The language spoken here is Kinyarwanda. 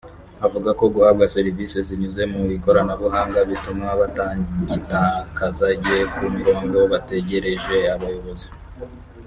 avuga ko guhabwa serivisi zinyuze mu ikoranabuhanga bituma batagitakaza igihe ku mirongo bategereje abayobozi